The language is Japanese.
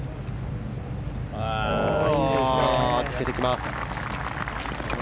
つけてきます。